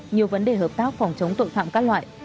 nhiều vấn đề hợp tác phòng chống tội phạm các loại